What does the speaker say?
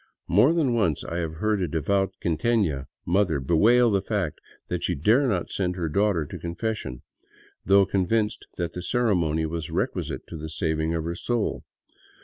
More than once I have heard a devout quitena mother bewail the fact that she dare not send her daughter to confession, though convinced that the ceremony was requisite to the saving of her soul.